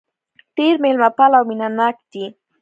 ډېر مېلمه پال او مينه ناک دي.